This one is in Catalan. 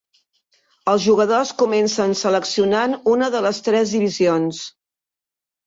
Els jugadors comencen seleccionant una de les tres divisions.